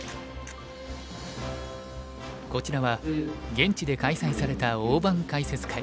こちらは現地で開催された大盤解説会。